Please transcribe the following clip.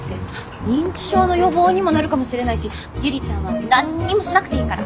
認知症の予防にもなるかもしれないしゆりちゃんはなんにもしなくていいから。